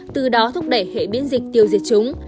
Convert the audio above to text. từ đó thúc đẩy hệ biến dịch tiêu diệt chúng